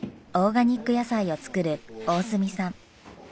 オーガニック野菜を作る大角さん。